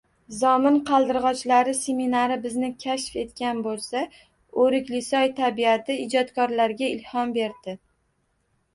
Zomin qaldirģochlari seminari bizni kashf etgan bòlsa, Òriklisoy tabiati ijodkorlarga ilhom berdi.